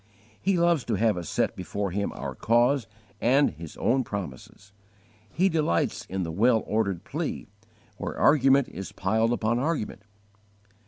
He loves to have us set before Him our cause and His own promises: He delights in the well ordered plea, where argument is piled upon argument.